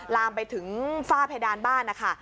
ลามไปถึงฝ้าเพดานบ้านนะคะ